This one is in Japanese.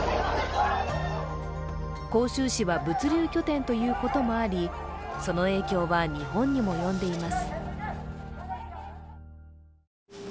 広州市は物流拠点ということもあり、その影響は日本にも及んでいます。